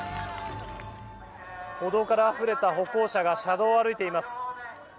歩道からあふれた歩行者が車道を歩いています。